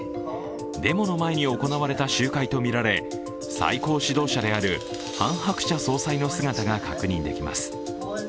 デモの前に行われた集会とみられ、最高指導者であるハン・ハクチャ総裁の姿が確認できます。